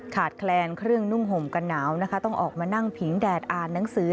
แคลนเครื่องนุ่งห่มกันหนาวนะคะต้องออกมานั่งผิงแดดอ่านหนังสือ